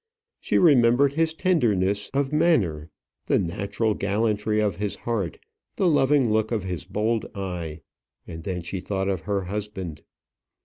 She remembered his tenderness of manner, the natural gallantry of his heart, the loving look of his bold eye; and then she thought of her husband.